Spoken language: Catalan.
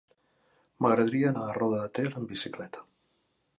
M'agradaria anar a Roda de Ter amb bicicleta.